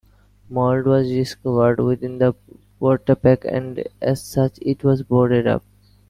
Mold was discovered within the portapac and as such, it was boarded up.